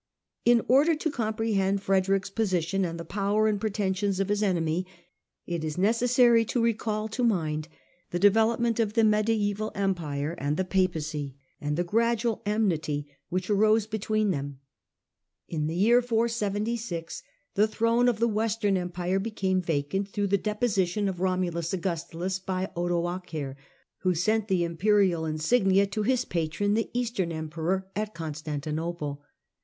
In order to comprehend Frederick's position and the power and pretensions of his enemy, it is necessary to recall to mind the development of the Mediaeval Empire and the Papacy, and the gradual enmity that arose 1 Freeman. Historical Essays (First Series) :" Frederick II." A HERITAGE OF STRIFE 11 between them. In the year 476 the throne of the Western Empire became vacant through the deposition of Romulus Augustulus by Odoacer, who sent the Imperial insignia to his patron, the Eastern Emperor, at Constantinople.